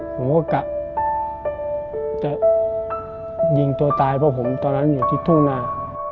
ผมก็กะจะยิงตัวตายเพราะผมตอนนั้นอยู่ที่ทุ่งนา